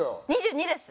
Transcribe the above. ２２です。